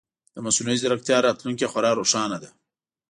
د مصنوعي ځیرکتیا راتلونکې خورا روښانه ده.